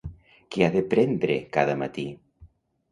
Què he de prendre cada matí?